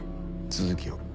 続きを。